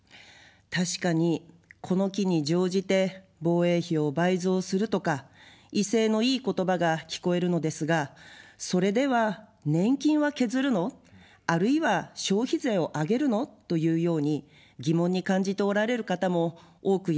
確かに、この機に乗じて防衛費を倍増するとか威勢のいい言葉が聞こえるのですが、それでは年金は削るの、あるいは消費税を上げるの、というように疑問に感じておられる方も多くいらっしゃると思います。